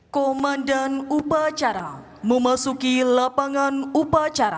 komandan upacara memasuki lapangan upacara